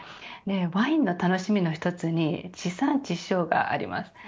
ワインの楽しみの一つに地産地消があります。